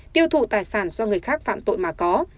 tiêu thụ tài sản do người khác phạm tội mà có